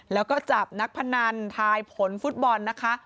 แล้วก็จับนักพนันทายผลฟุตบอลนะคะ